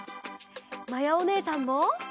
まやおねえさんも！